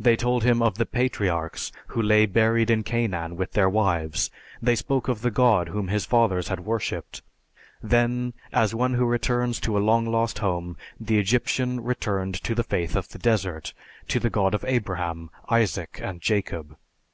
They told him of the patriarchs who lay buried in Canaan with their wives; they spoke of the God whom his fathers had worshiped. Then, as one who returns to a long lost home, the Egyptian returned to the faith of the desert, to the God of Abraham, Isaac, and Jacob.